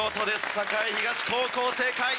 栄東高校正解。